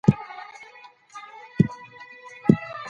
په تودو سیمو کې احتیاط پکار دی.